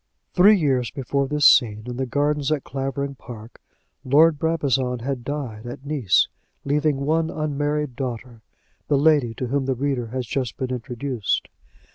Three years before this scene in the gardens at Clavering Park, Lord Brabazon had died at Nice, leaving one unmarried daughter, the lady to whom the reader has just been introduced.